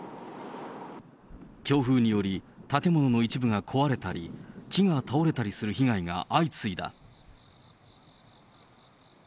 強風により、建物の一部が壊れたり、木が倒れたりする被害が相次いだ。